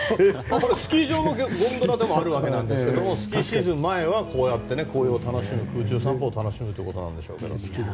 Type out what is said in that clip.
これはスキー場のゴンドラでもあるわけなんですがスキーシーズン前はこうやって紅葉を楽しむ空中散歩を楽しめるということですが。